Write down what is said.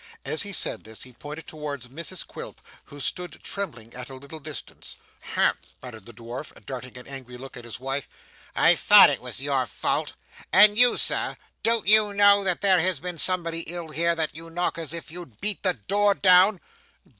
As he said this, he pointed towards Mrs Quilp, who stood trembling at a little distance. 'Humph!' muttered the dwarf, darting an angry look at his wife, 'I thought it was your fault! And you, sir don't you know there has been somebody ill here, that you knock as if you'd beat the door down?